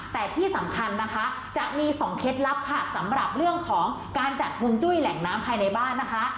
แต่ที่สำคัญนะคะจะมีสองเคล็ดลับค่ะสำหรับเรื่องของการจัดฮวงจุ้ยแหล่งน้ำภายในบ้านนะคะ